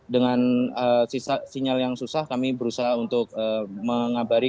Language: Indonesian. dengan sinyal yang susah kami berusaha untuk mengabari